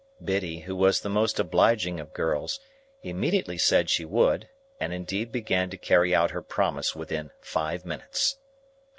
Biddy, who was the most obliging of girls, immediately said she would, and indeed began to carry out her promise within five minutes.